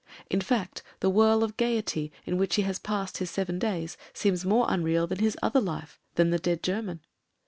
In fact, the whirl of gaiety in which he has passed his seven days seems more unreal than his other life — than the dead German.